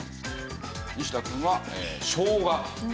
西田くんはしょうが。